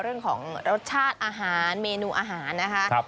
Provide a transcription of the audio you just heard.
เรื่องของรสชาติอาหารเมนูอาหารนะคะ